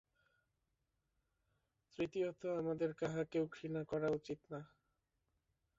তৃতীয়ত আমাদের কাহাকেও ঘৃণা করা উচিত নয়।